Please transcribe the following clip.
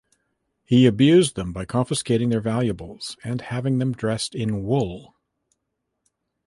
He abused them by confiscating their valuables and having them dressed in wool.